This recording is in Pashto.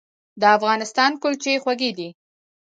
د افغانستان کلچې خوږې دي